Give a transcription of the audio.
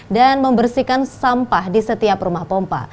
dan membersihkan sampah di setiap rumah pompa